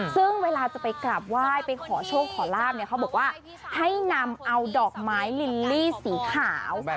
ซึ่งเวลาจะไปกราบไหว้ไปขอโชคขอลาบเนี่ยเขาบอกว่าให้นำเอาดอกไม้ลิลลี่สีขาว